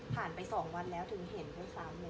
ผ่านไปสองวันแล้วถึงเห็นด้วยซ้ำอย่างนี้